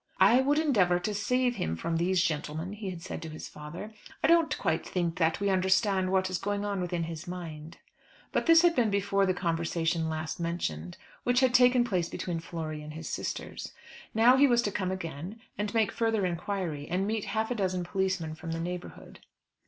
"I would endeavour to save him from these gentlemen," he had said to his father. "I don't quite think that we understand what is going on within his mind;" but this had been before the conversation last mentioned which had taken place between Flory and his sisters. Now he was to come again, and make further inquiry, and meet half a dozen policemen from the neighbourhood.